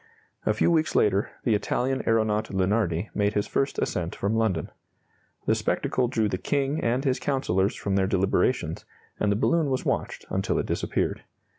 A few weeks later, the Italian aeronaut Lunardi made his first ascent from London. The spectacle drew the King and his councillors from their deliberations, and the balloon was watched until it disappeared.